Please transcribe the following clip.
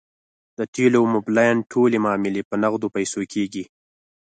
د تیلو او موبلاین ټولې معاملې په نغدو پیسو کیږي